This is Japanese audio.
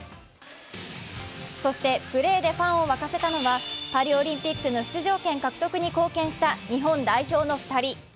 そしてプレーでファンを沸かせたのはパリオリンピックの出場権獲得に貢献した日本代表の２人。